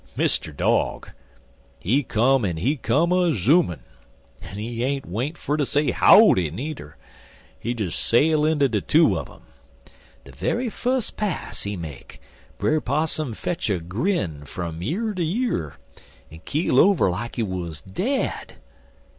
Mr. Dog, he come en he come a zoonin'. En he ain't wait fer ter say howdy, nudder. He des sail inter de two un um. De ve'y fus pas he make Brer Possum fetch a grin fum year ter year, en keel over like he wuz dead.